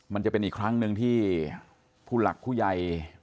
มันจะเป็นอีกครั้งหนึ่งที่ผู้หลักผู้ใหญ่